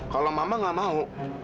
kalau mama gak mau